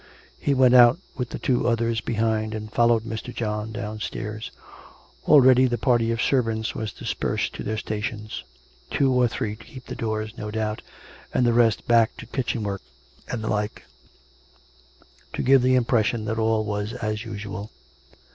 He went out with the two others behind, and followed Mr. John downstairs. Already the party of servants was dispersed to their stations; two or three to keep the doors, no doubt, and the rest back to kitchen work and the like, to give the impression that all was as usual.